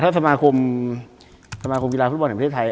ถ้าสมาคมกีฬาภูตบอลแห่งประเทศไทย